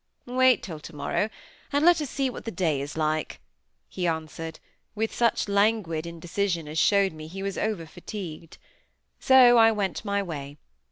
"Wait till to morrow, and let us see what the day is like," he answered, with such languid indecision as showed me he was over fatigued. So I went my way.